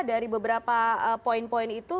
dari beberapa poin poin itu